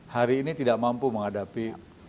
hari ini tidak mampu menghadapi